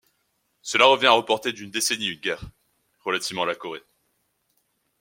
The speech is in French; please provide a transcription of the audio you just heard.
Cela revient à reporter d'une décennie une guerre relativement à la Corée.